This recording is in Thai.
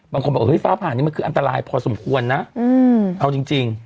บางคนบอกเฮ้ฟ้าผ่านนี้มันคืออันตรายพอสมควรนะเอาจริง